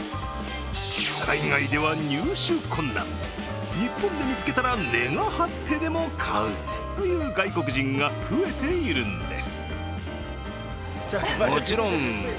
海外では入手困難、日本で見つけたら値が張ってでも買うという外国人が増えているんです。